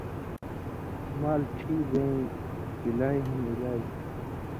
مال ڇھی بېں کِلائ ہِن علاج